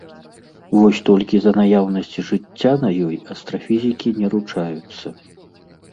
Вось толькі за наяўнасць жыцця на ёй астрафізікі не ручаюцца.